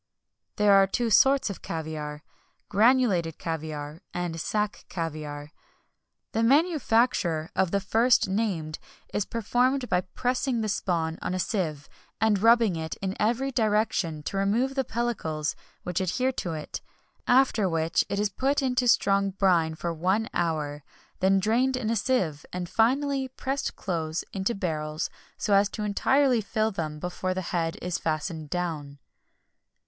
[XXI 41] There are two sorts of caviar: granulated caviar, and sack caviar. The manufacture of the first named is performed by pressing the spawn on a sieve, and rubbing it in every direction to remove the pellicles which adhere to it, after which it is put into strong brine for one hour, then drained in a sieve, and, finally, pressed close into barrels, so as to entirely fill them before the head is fastened down.